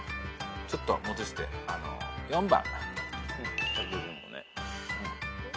ちょっと戻してあの４番。